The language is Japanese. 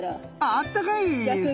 あったかいんですね。